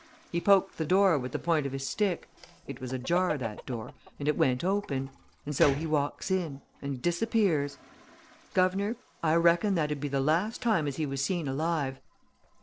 He poked the door with the point of his stick it was ajar, that door, and it went open. And so he walks in and disappears. Guv'nor! I reckon that'ud be the last time as he was seen alive!